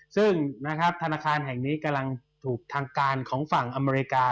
ซึ่งนะครับธนาคารแห่งนี้กำลังถูกทางการของฝั่งอเมริกา